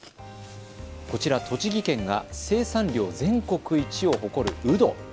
こちら栃木県が生産量全国一を誇るウド。